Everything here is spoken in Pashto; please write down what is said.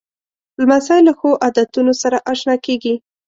لمسی له ښو عادتونو سره اشنا کېږي.